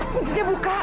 mungkin dia buka